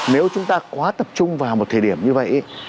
nếu chúng ta quá tập trung vào một thời điểm như vậy